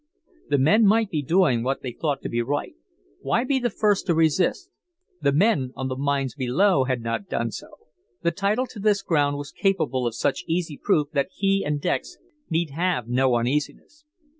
The men might be doing what they thought to be right. Why be the first to resist? The men on the mines below had not done so. The title to this ground was capable of such easy proof that he and Dex need have no uneasiness.